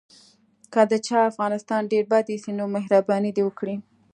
که د چا افغانان ډېر بد ایسي نو مهرباني دې وکړي.